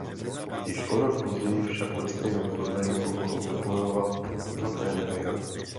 Již o rok později však na stejném turnaji pomohl vybojovat zlaté medaile.